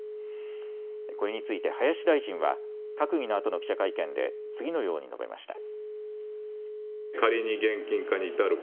これについて林大臣は閣議のあとの記者会見で次のように述べました。